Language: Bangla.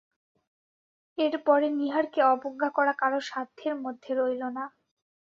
এর পরে নীহারকে অবজ্ঞা করা কারও সাধ্যের মধ্যে রইল না।